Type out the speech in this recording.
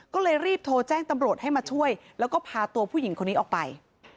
ก็เลยรีบโทรแจ้งตำรวจให้มาช่วยแล้วก็พาตัวผู้หญิงคนนี้ออกไป